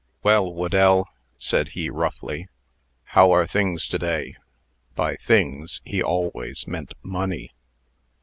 "Well, Whedell," said he, roughly, "how are things to day?" By "things," he always meant money.